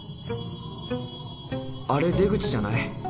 あれ出口じゃない？